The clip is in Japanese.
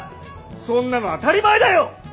そんなの当たり前だよ！